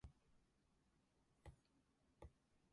Martin is an American citizen.